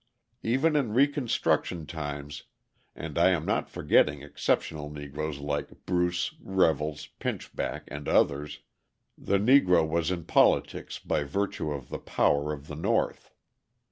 Even in Reconstruction times, and I am not forgetting exceptional Negroes like Bruce, Revels, Pinchback, and others, the Negro was in politics by virtue of the power of the North.